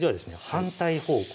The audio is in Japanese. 反対方向